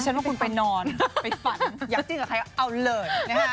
ว่าคุณไปนอนไปฝันอยากจิ้นกับใครเอาเลยนะฮะ